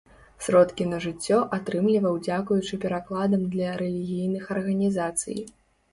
Сродкі на жыццё атрымліваў дзякуючы перакладам для рэлігійных арганізацый.